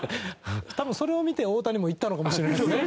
多分それを見て大谷も言ったのかもしれないですね。